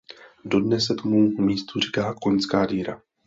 Dodnes se tomu místu říká Koňská díra.